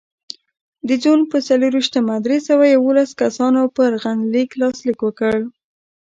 د جون په څلرویشتمه درې سوه یوولس کسانو پر غندنلیک لاسلیک وکړ.